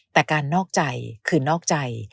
แต่การนอกใจคือนอกใจ